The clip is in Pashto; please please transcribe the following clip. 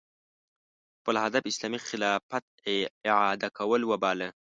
خپل هدف اسلامي خلافت اعاده کول وباله